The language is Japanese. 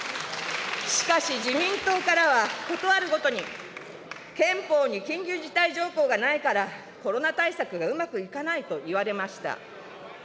しかし自民党からは、ことあるごとに、憲法に救急事態条項がないからコロナ対策がうまくいかないと言われました。